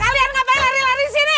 kalian ngapain lari lari di sini